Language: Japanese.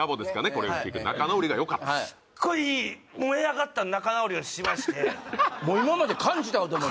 これを聞く仲直りがよかったすっごい燃え上がった仲直りをしましてもう今まで感じたこともない？